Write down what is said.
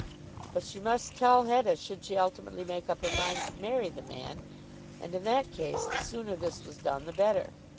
But she must tell Hetta should she ultimately make up her mind to marry the man, and in that case the sooner this was done the better.